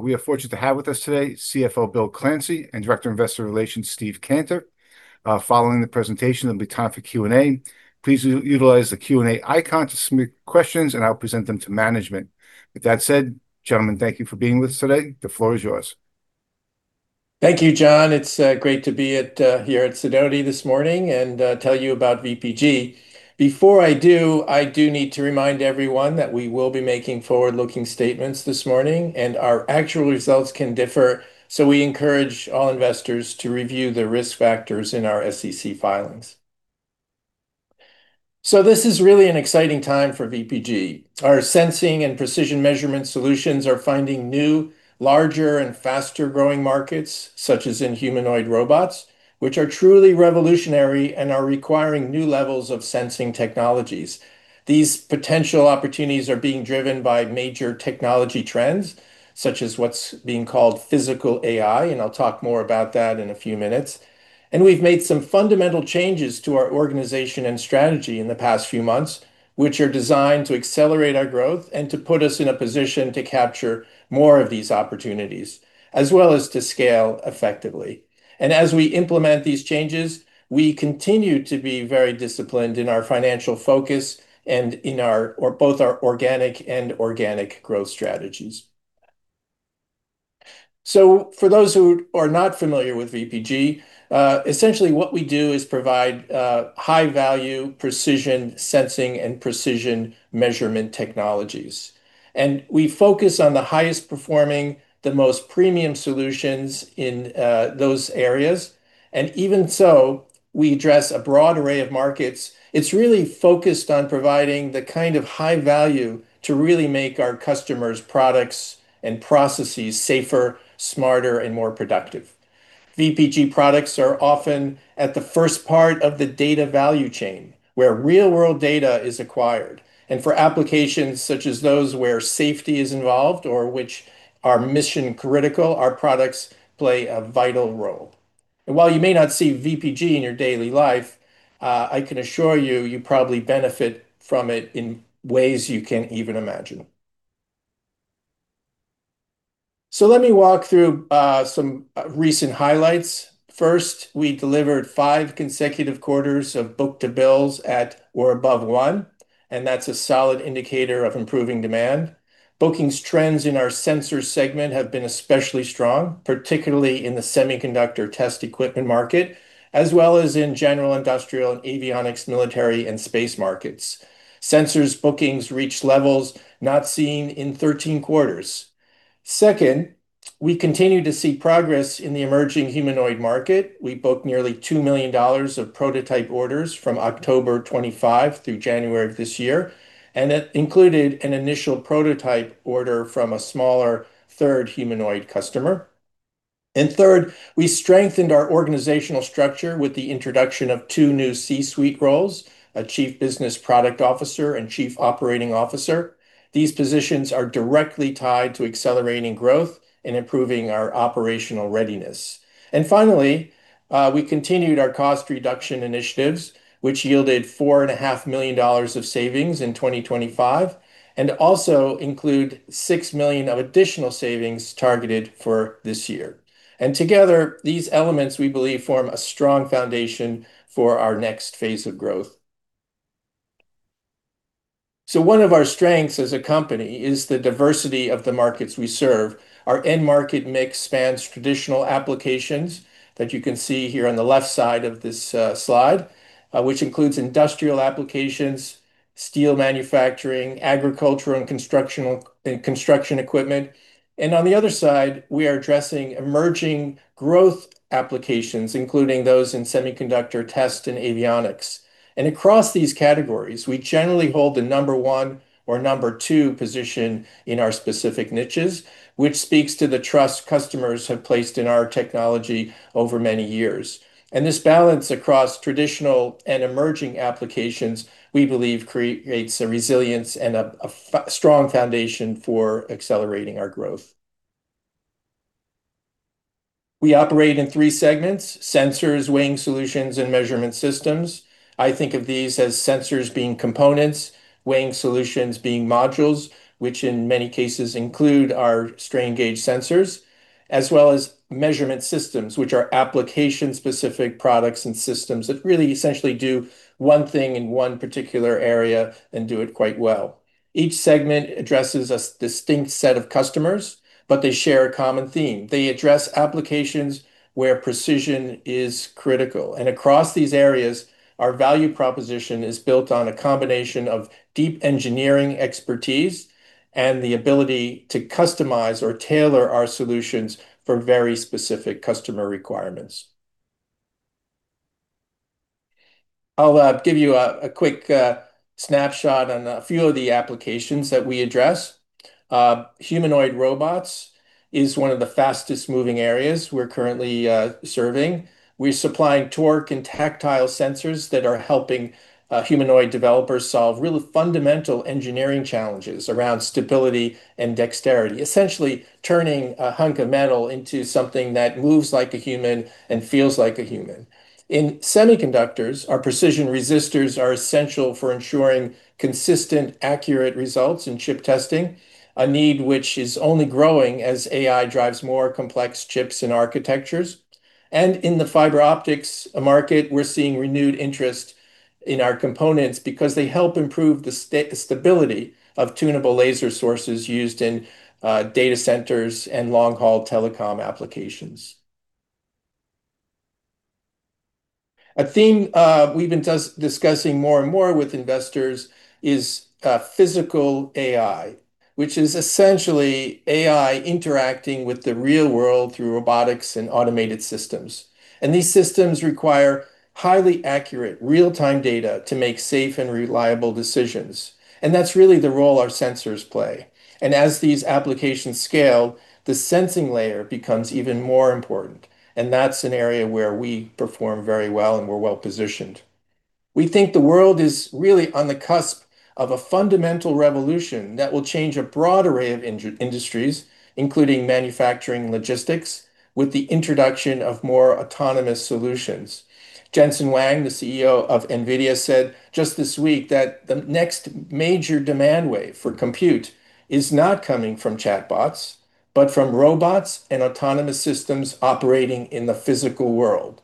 We are fortunate to have with us today CFO Bill Clancy and Director of Investor Relations Steve Cantor. Following the presentation, there'll be time for Q&A. Please utilize the Q&A icon to submit questions, and I'll present them to management. With that said, gentlemen, thank you for being with us today. The floor is yours. Thank you, John. It's great to be here at Sidoti this morning and tell you about VPG. Before I do, I do need to remind everyone that we will be making forward-looking statements this morning, and our actual results can differ, so we encourage all investors to review the risk factors in our SEC filings. This is really an exciting time for VPG. Our sensing and precision measurement solutions are finding new, larger and faster-growing markets, such as in humanoid robots, which are truly revolutionary and are requiring new levels of sensing technologies. These potential opportunities are being driven by major technology trends, such as what's being called Physical AI, and I'll talk more about that in a few minutes. We've made some fundamental changes to our organization and strategy in the past few months, which are designed to accelerate our growth and to put us in a position to capture more of these opportunities, as well as to scale effectively. As we implement these changes, we continue to be very disciplined in our financial focus and in both our organic and inorganic growth strategies. For those who are not familiar with VPG, essentially what we do is provide high-value precision sensing and precision measurement technologies. We focus on the highest performing, the most premium solutions in those areas. Even so, we address a broad array of markets. It's really focused on providing the kind of high value to really make our customers' products and processes safer, smarter and more productive. VPG products are often at the first part of the data value chain, where real-world data is acquired. For applications such as those where safety is involved or which are mission-critical, our products play a vital role. While you may not see VPG in your daily life, I can assure you probably benefit from it in ways you can't even imagine. Let me walk through some recent highlights. First, we delivered five consecutive quarters of book-to-bills at or above 1, and that's a solid indicator of improving demand. Bookings trends in our Sensors segment have been especially strong, particularly in the semiconductor test equipment market, as well as in general industrial and avionics, military and space markets. Sensors bookings reached levels not seen in 13 quarters. Second, we continue to see progress in the emerging humanoid market. We booked nearly $2 million of prototype orders from October 2025 through January of this year, and it included an initial prototype order from a smaller third humanoid customer. Third, we strengthened our organizational structure with the introduction of two new C-suite roles, a chief business and product officer and chief operating officer. These positions are directly tied to accelerating growth and improving our operational readiness. Finally, we continued our cost reduction initiatives, which yielded $4.5 million of savings in 2025, and also include $6 million of additional savings targeted for this year. Together, these elements, we believe, form a strong foundation for our next phase of growth. One of our strengths as a company is the diversity of the markets we serve. Our end market mix spans traditional applications that you can see here on the left side of this slide, which includes industrial applications, steel manufacturing, agriculture and construction, and construction equipment. On the other side, we are addressing emerging growth applications, including those in semiconductor test and avionics. Across these categories, we generally hold the number one or number two position in our specific niches, which speaks to the trust customers have placed in our technology over many years. This balance across traditional and emerging applications, we believe, creates a resilience and a strong foundation for accelerating our growth. We operate in three segments: Sensors, Weighing Solutions and Measurement Systems. I think of these as sensors being components, weighing solutions being modules, which in many cases include our strain gauge sensors, as well as measurement systems, which are application-specific products and systems that really essentially do one thing in one particular area and do it quite well. Each segment addresses a distinct set of customers, but they share a common theme. They address applications where precision is critical. Across these areas, our value proposition is built on a combination of deep engineering expertise and the ability to customize or tailor our solutions for very specific customer requirements. I'll give you a quick snapshot on a few of the applications that we address. Humanoid robots is one of the fastest-moving areas we're currently serving. We're supplying torque and tactile sensors that are helping humanoid developers solve really fundamental engineering challenges around stability and dexterity, essentially turning a hunk of metal into something that moves like a human and feels like a human. In semiconductors, our precision resistors are essential for ensuring consistent, accurate results in chip testing, a need which is only growing as AI drives more complex chips and architectures. In the fiber optics market, we're seeing renewed interest in our components because they help improve the stability of tunable laser sources used in data centers and long-haul telecom applications. A theme we've been discussing more and more with investors is Physical AI, which is essentially AI interacting with the real world through robotics and automated systems. These systems require highly accurate real-time data to make safe and reliable decisions, and that's really the role our sensors play. As these applications scale, the sensing layer becomes even more important, and that's an area where we perform very well and we're well-positioned. We think the world is really on the cusp of a fundamental revolution that will change a broad array of industries, including manufacturing logistics, with the introduction of more autonomous solutions. Jensen Huang, the CEO of NVIDIA, said just this week that the next major demand wave for compute is not coming from chatbots, but from robots and autonomous systems operating in the physical world.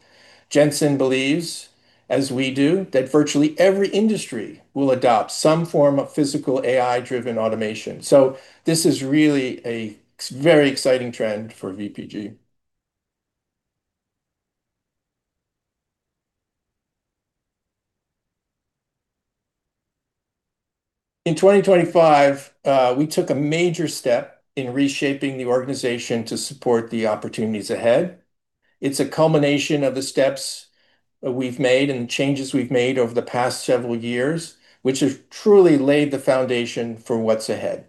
Jensen believes, as we do, that virtually every industry will adopt some form of Physical AI-driven automation. This is really a very exciting trend for VPG. In 2025, we took a major step in reshaping the organization to support the opportunities ahead. It's a culmination of the steps we've made and changes we've made over the past several years, which have truly laid the foundation for what's ahead.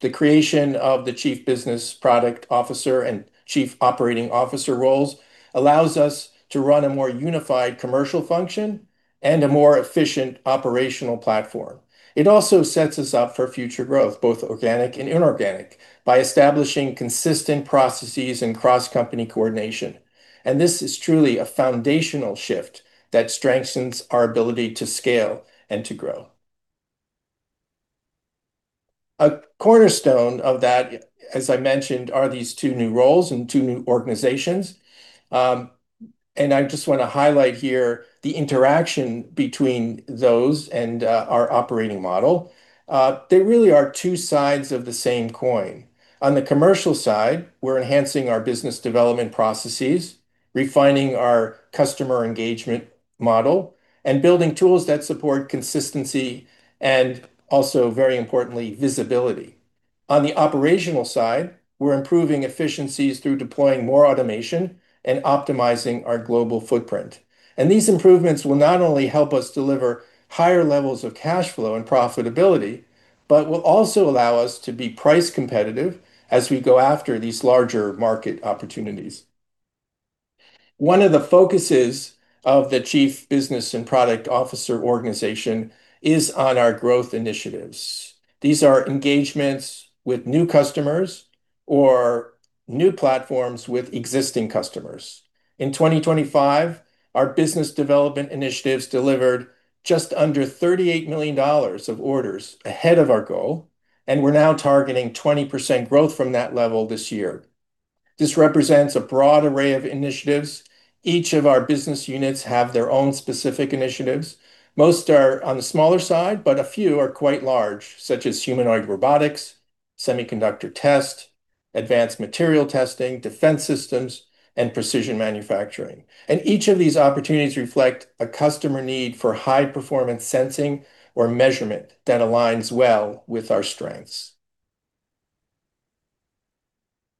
The creation of the Chief Business and Product Officer and Chief Operating Officer roles allows us to run a more unified commercial function and a more efficient operational platform. It also sets us up for future growth, both organic and inorganic, by establishing consistent processes and cross-company coordination. This is truly a foundational shift that strengthens our ability to scale and to grow. A cornerstone of that, as I mentioned, are these two new roles and two new organizations, and I just want to highlight here the interaction between those and our operating model. They really are two sides of the same coin. On the commercial side, we're enhancing our business development processes, refining our customer engagement model, and building tools that support consistency and also, very importantly, visibility. On the operational side, we're improving efficiencies through deploying more automation and optimizing our global footprint. These improvements will not only help us deliver higher levels of cash flow and profitability but will also allow us to be price-competitive as we go after these larger market opportunities. One of the focuses of the Chief Business and Product Officer organization is on our growth initiatives. These are engagements with new customers or new platforms with existing customers. In 2025, our business development initiatives delivered just under $38 million of orders ahead of our goal, and we're now targeting 20% growth from that level this year. This represents a broad array of initiatives. Each of our business units have their own specific initiatives. Most are on the smaller side, but a few are quite large, such as humanoid robotics, semiconductor test, advanced material testing, defense systems, and precision manufacturing. Each of these opportunities reflect a customer need for high-performance sensing or measurement that aligns well with our strengths.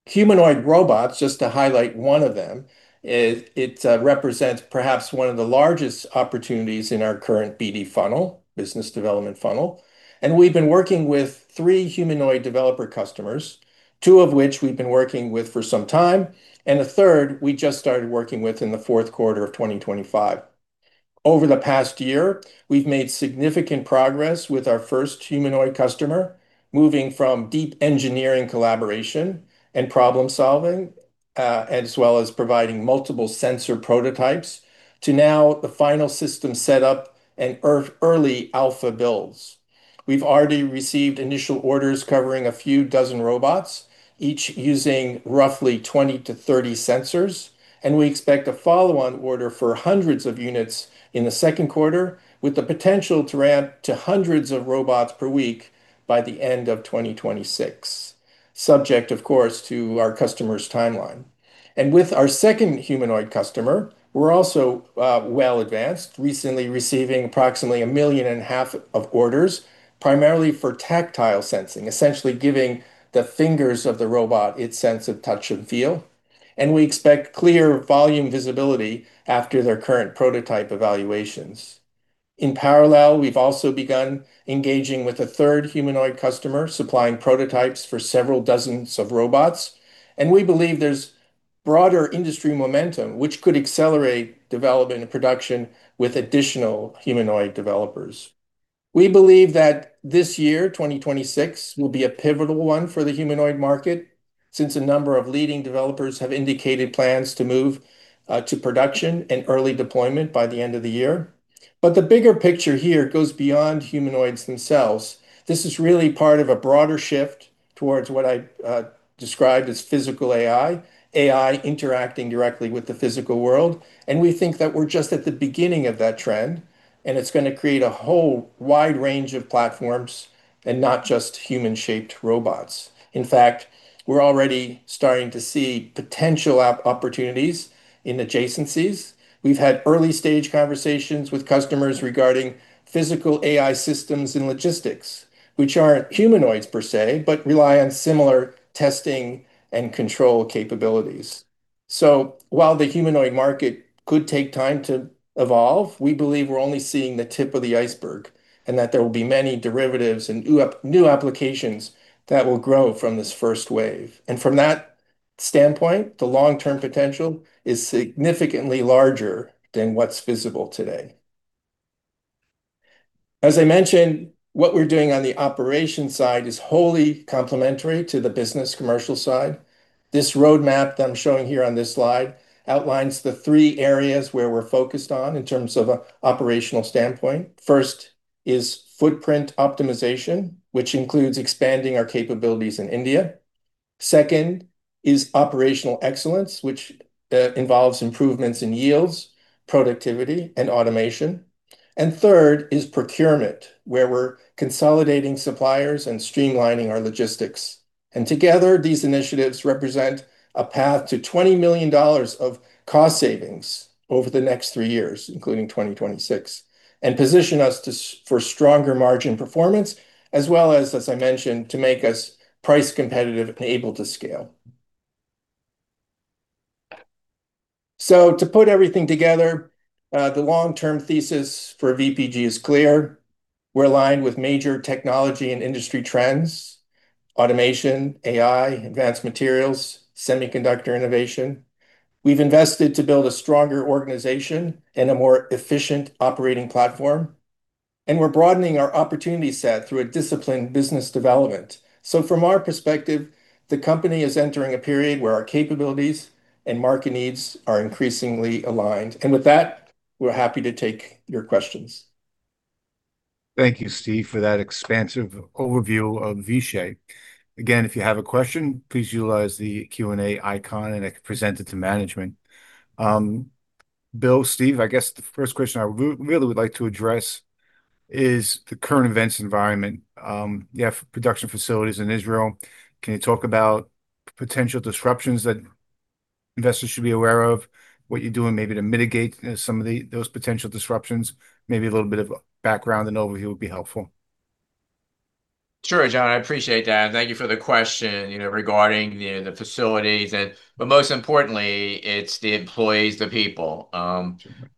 Humanoid robots, just to highlight one of them, it represents perhaps one of the largest opportunities in our current BD funnel, business development funnel, and we've been working with three humanoid developer customers, two of which we've been working with for some time, and a third we just started working with in the Q4 of 2025. Over the past year, we've made significant progress with our first humanoid customer, moving from deep engineering collaboration and problem-solving, as well as providing multiple sensor prototypes, to now the final system set up and early alpha builds. We've already received initial orders covering a few dozen robots, each using roughly 20-30 sensors, and we expect a follow-on order for hundreds of units in the second quarter, with the potential to ramp to hundreds of robots per week by the end of 2026, subject, of course, to our customer's timeline. With our second humanoid customer, we're also well advanced, recently receiving approximately $1.5 million of orders, primarily for tactile sensing, essentially giving the fingers of the robot its sense of touch and feel, and we expect clear volume visibility after their current prototype evaluations. In parallel, we've also begun engaging with a third humanoid customer, supplying prototypes for several dozen robots, and we believe there's broader industry momentum which could accelerate development and production with additional humanoid developers. We believe that this year, 2026, will be a pivotal one for the humanoid market, since a number of leading developers have indicated plans to move to production and early deployment by the end of the year. The bigger picture here goes beyond humanoids themselves. This is really part of a broader shift towards what I described as Physical AI interacting directly with the physical world, and we think that we're just at the beginning of that trend, and it's gonna create a whole wide range of platforms and not just human-shaped robots. In fact, we're already starting to see potential app opportunities in adjacencies. We've had early-stage conversations with customers regarding Physical AI systems and logistics, which aren't humanoids per se but rely on similar testing and control capabilities. While the humanoid market could take time to evolve, we believe we're only seeing the tip of the iceberg and that there will be many derivatives and new applications that will grow from this first wave. From that standpoint, the long-term potential is significantly larger than what's visible today. As I mentioned, what we're doing on the operations side is wholly complementary to the business commercial side. This roadmap that I'm showing here on this slide outlines the three areas where we're focused on in terms of an operational standpoint. First is footprint optimization, which includes expanding our capabilities in India. Second is operational excellence, which involves improvements in yields, productivity, and automation. Third is procurement, where we're consolidating suppliers and streamlining our logistics. Together, these initiatives represent a path to $20 million of cost savings over the next three years, including 2026, and position us to scale for stronger margin performance as well as I mentioned, to make us price competitive and able to scale. To put everything together, the long-term thesis for VPG is clear. We're aligned with major technology and industry trends, automation, AI, advanced materials, semiconductor innovation. We've invested to build a stronger organization and a more efficient operating platform, and we're broadening our opportunity set through a disciplined business development. From our perspective, the company is entering a period where our capabilities and market needs are increasingly aligned. With that, we're happy to take your questions. Thank you, Steve, for that expansive overview of Vishay. Again, if you have a question, please utilize the Q&A icon and it can present it to management. Bill, Steve, I guess the first question I would like to address is the current events environment. You have production facilities in Israel. Can you talk about potential disruptions that investors should be aware of, what you're doing maybe to mitigate some of those potential disruptions? Maybe a little bit of background and overview would be helpful. Sure, John, I appreciate that, and thank you for the question, you know, regarding the facilities. Most importantly, it's the employees, the people.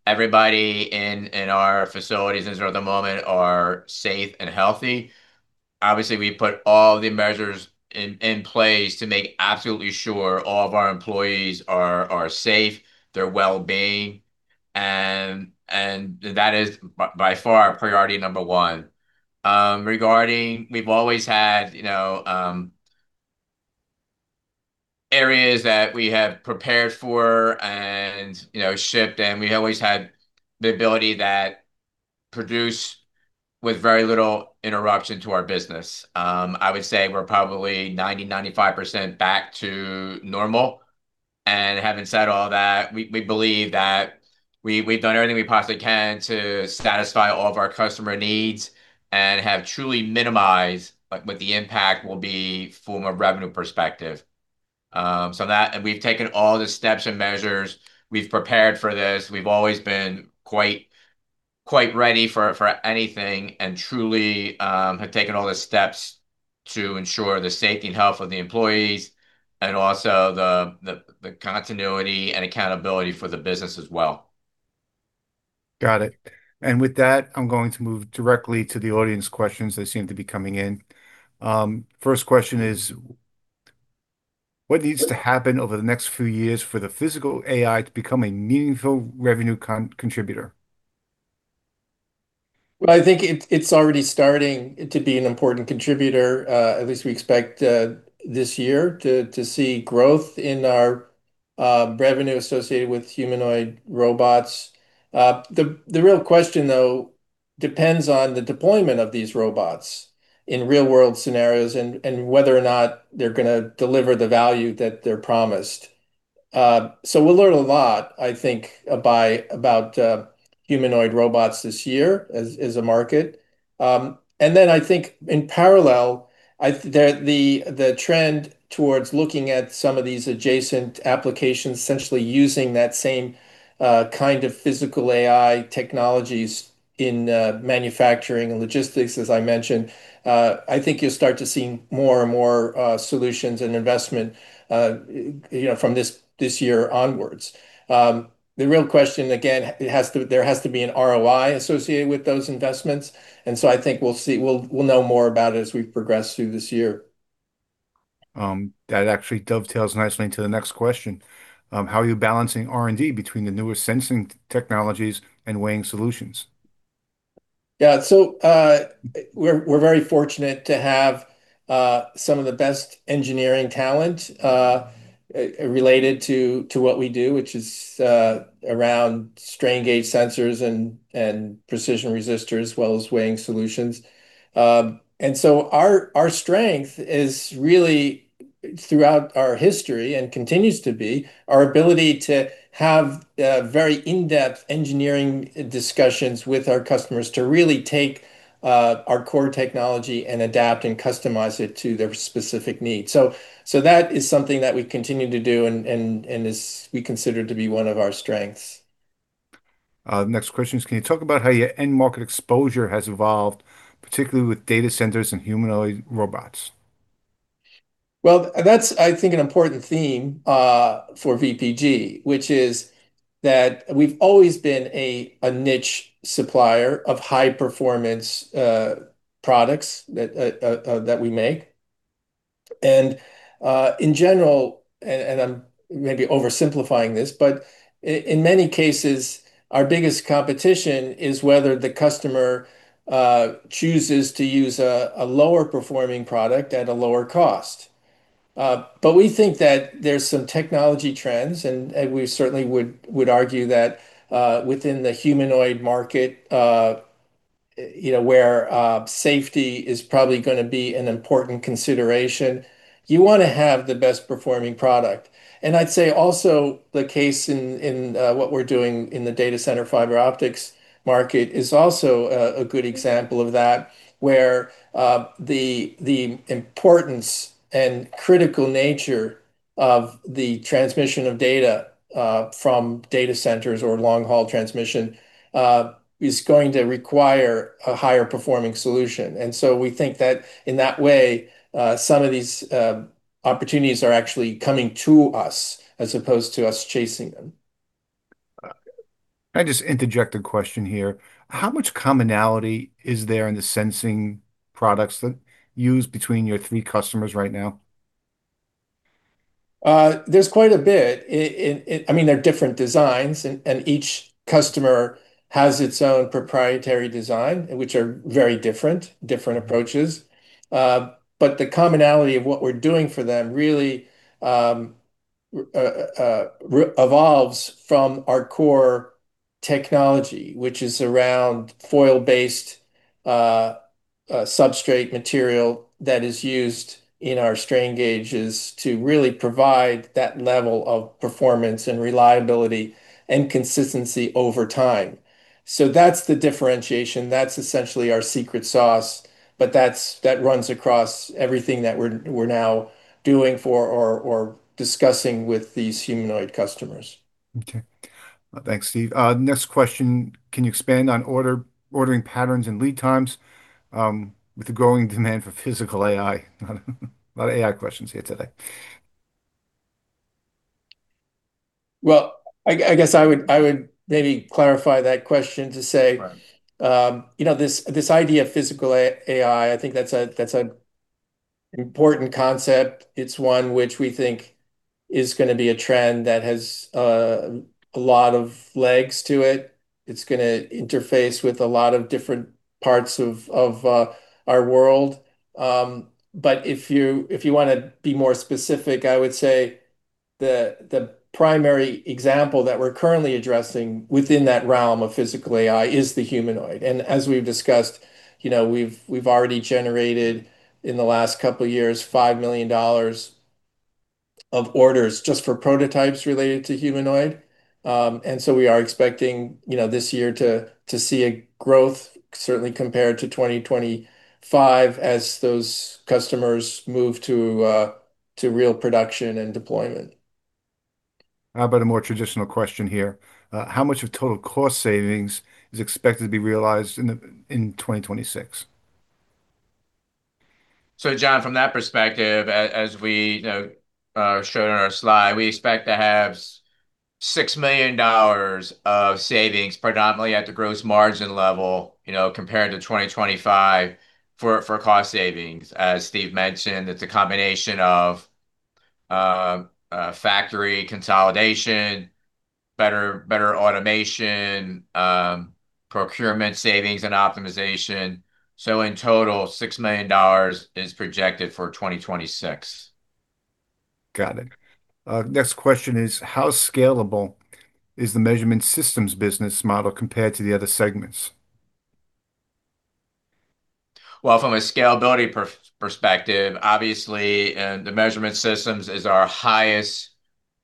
Everybody in our facilities as of the moment are safe and healthy. Obviously, we put all the measures in place to make absolutely sure all of our employees are safe, their well-being, and that is by far priority number one. Regarding, we've always had, you know, areas that we have prepared for and, you know, shipped, and we always had the ability to produce with very little interruption to our business. I would say we're probably 90%-95% back to normal. Having said all that, we believe that we've done everything we possibly can to satisfy all of our customer needs and have truly minimized what the impact will be from a revenue perspective. We've taken all the steps and measures. We've prepared for this. We've always been quite ready for anything and truly have taken all the steps to ensure the safety and health of the employees and also the continuity and accountability for the business as well. Got it. With that, I'm going to move directly to the audience questions that seem to be coming in. First question is, what needs to happen over the next few years for the Physical AI to become a meaningful revenue contributor? Well, I think it's already starting to be an important contributor. At least we expect this year to see growth in our revenue associated with humanoid robots. The real question, though, depends on the deployment of these robots in real-world scenarios and whether or not they're gonna deliver the value that they're promised. We'll learn a lot, I think, about humanoid robots this year as a market. I think in parallel, the trend towards looking at some of these adjacent applications, essentially using that same kind of Physical AI technologies in manufacturing and logistics, as I mentioned, I think you'll start to see more and more solutions and investment, you know, from this year onwards. The real question, again, there has to be an ROI associated with those investments, and so I think we'll see. We'll know more about it as we progress through this year. That actually dovetails nicely into the next question. How are you balancing R&D between the newer sensing technologies and Weighing Solutions? Yeah, we're very fortunate to have some of the best engineering talent related to what we do, which is around strain gauge sensors and precision resistors, as well as weighing solutions. Our strength is really throughout our history and continues to be our ability to have very in-depth engineering discussions with our customers to really take our core technology and adapt and customize it to their specific needs. That is something that we've continued to do and we consider to be one of our strengths. Next question is, can you talk about how your end market exposure has evolved, particularly with data centers and humanoid robots? Well, that's, I think, an important theme for VPG, which is that we've always been a niche supplier of high performance products that we make. In general, and I'm maybe oversimplifying this, but in many cases, our biggest competition is whether the customer chooses to use a lower performing product at a lower cost. We think that there's some technology trends, and we certainly would argue that within the humanoid market, you know, where safety is probably gonna be an important consideration, you wanna have the best performing product. I'd say also the case in what we're doing in the data center fiber optics market is also a good example of that, where the importance and critical nature of the transmission of data from data centers or long-haul transmission is going to require a higher performing solution. We think that in that way, some of these opportunities are actually coming to us as opposed to us chasing them. Can I just interject a question here? How much commonality is there in the sensing products that use between your three customers right now? There's quite a bit. I mean, they're different designs and each customer has its own proprietary design, which are very different approaches. The commonality of what we're doing for them really evolves from our core technology, which is around foil-based substrate material that is used in our strain gauges to really provide that level of performance and reliability and consistency over time. That's the differentiation. That's essentially our secret sauce, that runs across everything that we're now doing for or discussing with these humanoid customers. Okay. Thanks, Steve. Next question, can you expand on ordering patterns and lead times with the growing demand for Physical AI? Lot of AI questions here today. Well, I guess I would maybe clarify that question to say. Right You know, this idea of physical AI, I think that's an important concept. It's one which we think is gonna be a trend that has a lot of legs to it. It's gonna interface with a lot of different parts of our world. If you wanna be more specific, I would say the primary example that we're currently addressing within that realm of physical AI is the humanoid. As we've discussed, you know, we've already generated, in the last couple years, $5 million of orders just for prototypes related to humanoid. We are expecting, you know, this year to see a growth, certainly compared to 2025, as those customers move to real production and deployment. How about a more traditional question here? How much of total cost savings is expected to be realized in 2026? John, from that perspective, as we, you know, showed on our slide, we expect to have $6 million of savings predominantly at the gross margin level, you know, compared to 2025 for cost savings. As Steve mentioned, it's a combination of factory consolidation, better automation, procurement savings and optimization. In total, $6 million is projected for 2026. Got it. Next question is, how scalable is the Measurement Systems business model compared to the other segments? Well, from a scalability perspective, obviously, the Measurement Systems is our highest,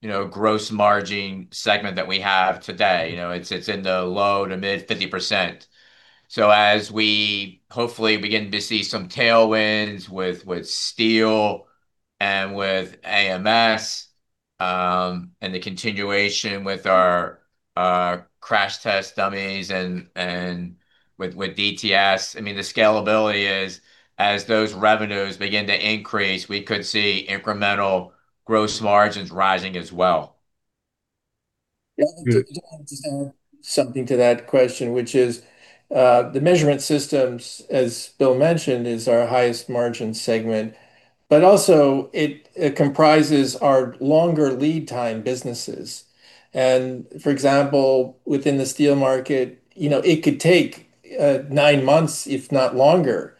you know, gross margin segment that we have today. You know, it's in the low-to-mid 50%. As we hopefully begin to see some tailwinds with steel and with AMS, and the continuation with our crash test dummies and with DTS, I mean, the scalability is as those revenues begin to increase, we could see incremental gross margins rising as well. Yeah, I just wanted to add something to that question, which is the Measurement Systems, as Bill mentioned, is our highest margin segment, but also it comprises our longer lead time businesses. For example, within the steel market, you know, it could take nine months, if not longer,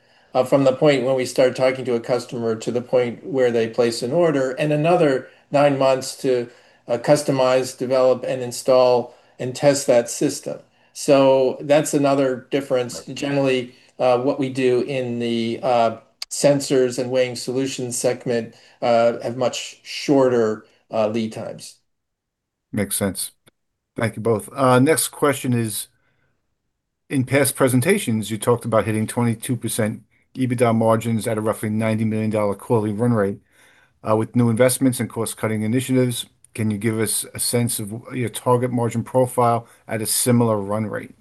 from the point when we start talking to a customer to the point where they place an order, and another nine months to customize, develop and install and test that system. That's another difference. Generally, what we do in the Sensors and Weighing Solutions segment have much shorter lead times. Makes sense. Thank you both. Next question is, in past presentations you talked about hitting 22% EBITDA margins at a roughly $90 million quarterly run rate, with new investments and cost-cutting initiatives. Can you give us a sense of your target margin profile at a similar run rate?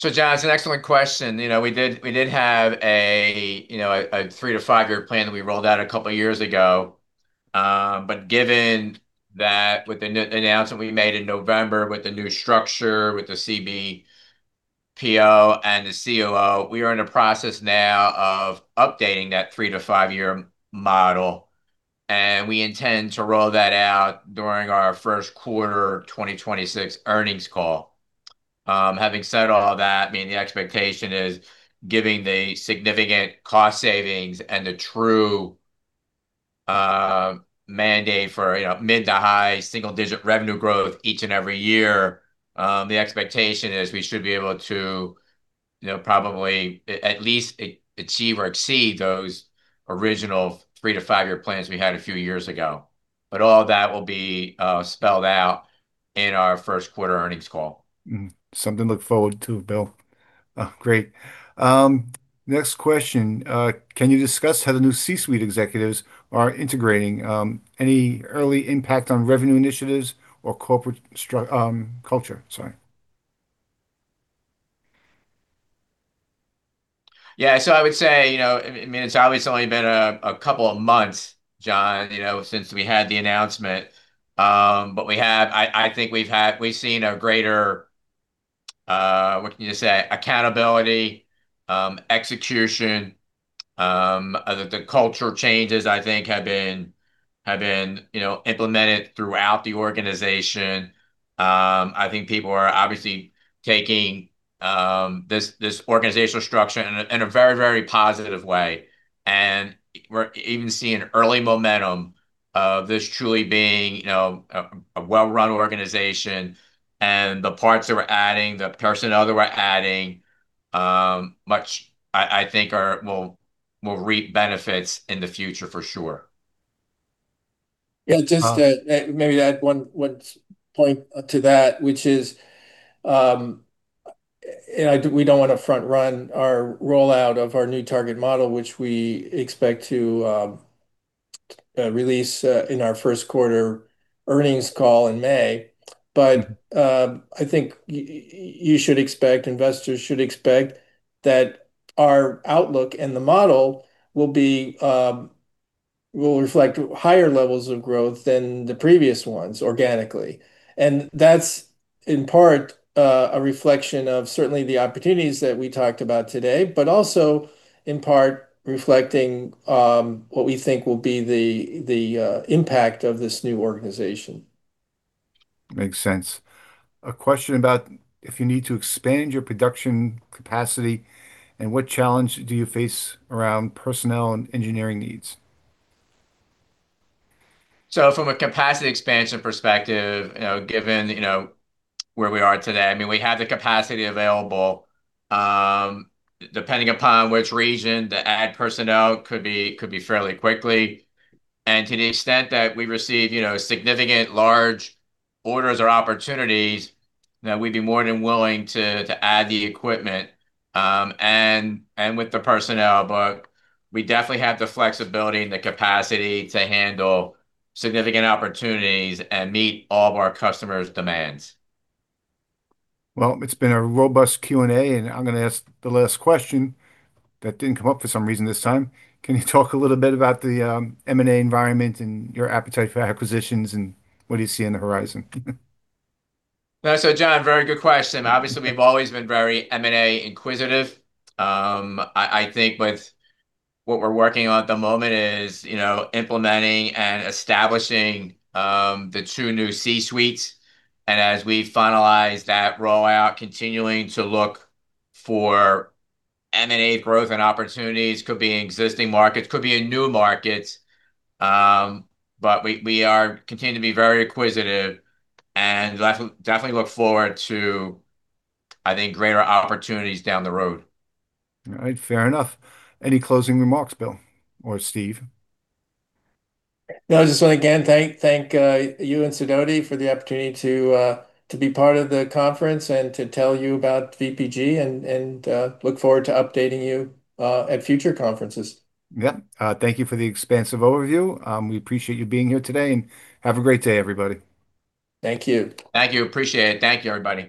John, it's an excellent question. You know, we did have a you know a three to five year plan that we rolled out a couple of years ago. But given that with the new announcement we made in November with the new structure, with the CBPO and the COO, we are in the process now of updating that three to five year model, and we intend to roll that out during our first quarter of 2026 earnings call. Having said all that, I mean, the expectation is given the significant cost savings and the true mandate for you know mid- to high-single-digit revenue growth each and every year. The expectation is we should be able to you know probably at least achieve or exceed those original three to five year plans we had a few years ago. All that will be spelled out in our first quarter earnings call. Something to look forward to, Bill. Oh, great. Next question. Can you discuss how the new C-suite executives are integrating, any early impact on revenue initiatives or corporate culture, sorry. Yeah, I would say, you know, I mean it's obviously only been a couple of months, John, you know, since we had the announcement. We've seen a greater accountability, execution. The culture changes I think have been implemented throughout the organization. I think people are obviously taking this organizational structure in a very positive way. We're even seeing early momentum of this truly being a well-run organization. The parts that we're adding, the personnel that we're adding, which I think will reap benefits in the future for sure. Yeah, just to maybe add one point to that, which is, we don't want to front run our rollout of our new target model, which we expect to release in our first quarter earnings call in May. I think you should expect, investors should expect that our outlook and the model will be, will reflect higher levels of growth than the previous ones organically. That's in part a reflection of certainly the opportunities that we talked about today, but also in part reflecting what we think will be the impact of this new organization. Makes sense. A question about if you need to expand your production capacity, and what challenge do you face around personnel and engineering needs? From a capacity expansion perspective, you know, given, you know, where we are today, I mean, we have the capacity available, depending upon which region, to add personnel could be fairly quickly. To the extent that we receive, you know, significant large orders or opportunities, then we'd be more than willing to add the equipment and with the personnel. We definitely have the flexibility and the capacity to handle significant opportunities and meet all of our customers' demands. Well, it's been a robust Q&A, and I'm gonna ask the last question that didn't come up for some reason this time. Can you talk a little bit about the M&A environment and your appetite for acquisitions, and what do you see on the horizon? John, very good question. Obviously, we've always been very M&A acquisitive. I think what we're working on at the moment is, you know, implementing and establishing the two new C-suites. As we finalize that rollout, continuing to look for M&A growth and opportunities, could be in existing markets, could be in new markets. We continue to be very inquisitive and definitely look forward to, I think, greater opportunities down the road. All right. Fair enough. Any closing remarks, Bill or Steve? No, I just want to again thank you and Sidoti for the opportunity to be part of the conference and to tell you about VPG and look forward to updating you at future conferences. Yeah. Thank you for the expansive overview. We appreciate you being here today, and have a great day, everybody. Thank you. Thank you. Appreciate it. Thank you, everybody.